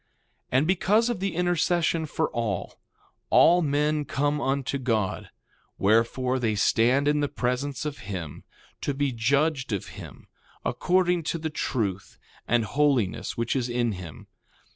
2:10 And because of the intercession for all, all men come unto God; wherefore, they stand in the presence of him to be judged of him according to the truth and holiness which is in him.